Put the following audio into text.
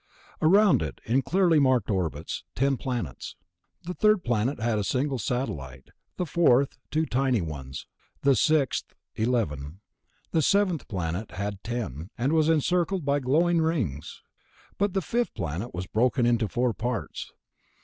Around it, in clearly marked orbits, ten planets. The third planet had a single satellite, the fourth two tiny ones. The sixth eleven. The seventh planet had ten, and was encircled by glowing rings. But the fifth planet was broken into four parts.